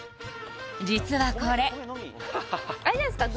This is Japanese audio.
実はこれあれじゃないですか